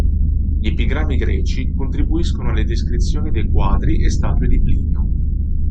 Gli epigrammi greci contribuiscono alle descrizioni dei quadri e statue di Plinio.